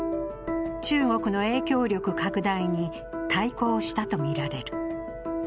中国の影響力拡大に対抗したとみられる。